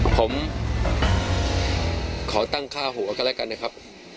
ผมขอตั้งค่าหัวกันแล้วกันนะครับ